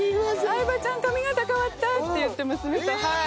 「相葉ちゃん髪形変わった！」って言って娘とはい。